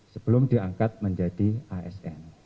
sebelum diangkat menjadi asn